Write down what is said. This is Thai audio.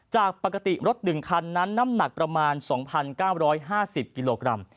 จากปกติรถ๑คันนั้นน้ำหนักประมาณ๒๙๕๐กิโลกรัม